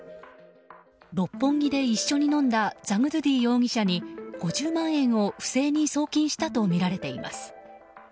六本木で一緒に飲んだザグドゥディ容疑者に５０万円を不正に送金したとみられています。